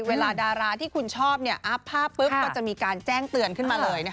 เวลาดาราที่คุณชอบอัพภาพปุ๊บก็จะมีการแจ้งเตือนขึ้นมาเลย